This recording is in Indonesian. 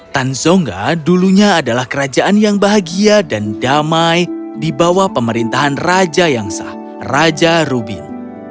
tan zongga dulunya adalah kerajaan yang bahagia dan damai di bawah pemerintahan raja yang sah raja rubin